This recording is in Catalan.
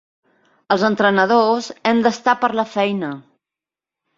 Els entrenadors hem d'estar per la feina.